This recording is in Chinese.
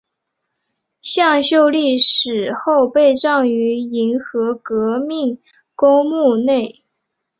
向秀丽死后被葬于银河革命公墓内。